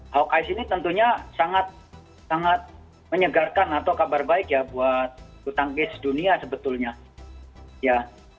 hawkeye ini tentunya sangat menyegarkan atau kabar baik ya buat hutang case dunia sebetulnya